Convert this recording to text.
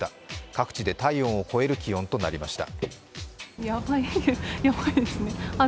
各地で体温を超える気温となりました。